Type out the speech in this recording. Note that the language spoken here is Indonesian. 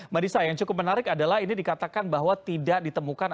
mbak disa yang cukup menarik adalah ini dikatakan bahwa tidak ditemukan